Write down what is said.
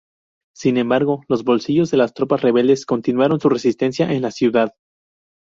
Sin embargo, los bolsillos de las tropas rebeldes continuaron su resistencia en la ciudad.